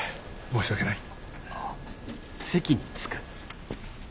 申し訳ない。